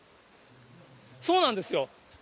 そうなんですよ。